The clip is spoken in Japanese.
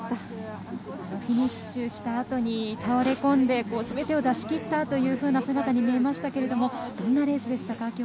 フィニッシュしたあとに倒れ込んですべてを出しきったというような姿に見えましたけれどもどんなレースでしたか？